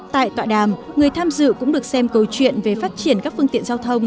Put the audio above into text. tại tọa đàm người tham dự cũng được xem câu chuyện về phát triển các phương tiện giao thông